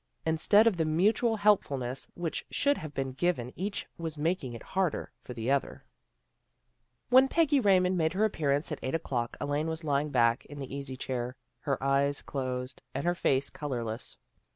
Instead of the mutual helpfulness which should have been given each was making it harder for the other. 288 THE GIRLS OF FRIENDLY TERRACE When Peggy Raymond made her appearance at eight o'clock Elaine was lying back in the easy chair, her eyes closed, and her face colorless.